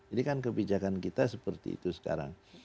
ini kan kebijakan kita seperti itu sekarang